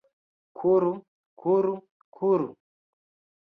Kuru, kuru, kuru...